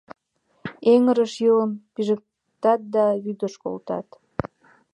— Эҥырыш йылым пижыктат да вӱдыш колтат.